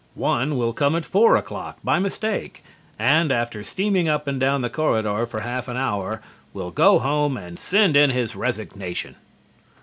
One will come at four o'clock by mistake and, after steaming up and down the corridor for half an hour, will go home and send in his resignation.